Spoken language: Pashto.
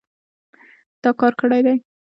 تا کار کړی دی